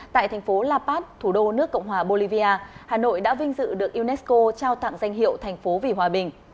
tại thành phố la pat thủ đô nước cộng hòa bolivia hà nội đã vinh dự được unesco trao tặng danh hiệu thành phố vì hòa bình